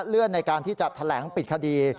เลื่อนในการที่จะแถลงปิดคดี